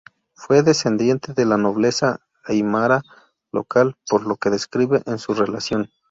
Fue descendiente de la nobleza aimara local, por lo que describe en su relación.